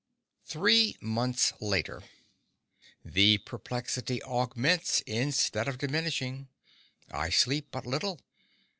Three Months Later The perplexity augments instead of diminishing. I sleep but little.